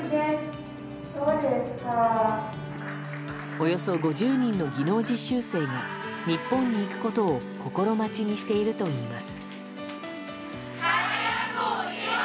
およそ５０人の技能実習生が日本に行くことを心待ちにしているといいます。